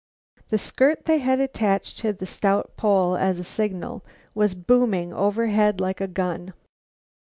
The skirt they had attached to a stout pole as a signal was booming overhead like a gun.